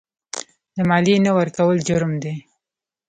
د مالیې نه ورکول جرم دی.